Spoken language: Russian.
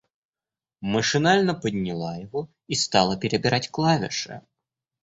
Машинально подняла его и стала перебирать клавиши.